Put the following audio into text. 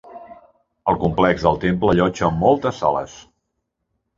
El complex del temple allotja moltes sales.